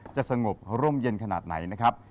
จะสงบร่มเย็นขนาดไหนนะครับ